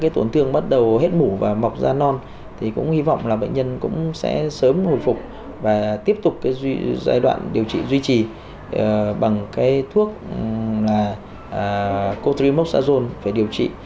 thì cũng hy vọng là bệnh nhân cũng sẽ sớm hồi phục và tiếp tục cái giai đoạn điều trị duy trì bằng cái thuốc là cotrimoxazone phải điều trị